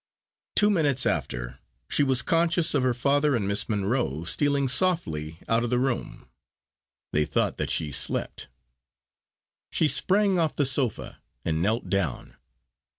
Two minutes after, she was conscious of her father and Miss Monro stealing softly out of the room. They thought that she slept. She sprang off the sofa and knelt down.